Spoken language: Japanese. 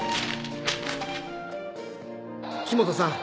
木元さん。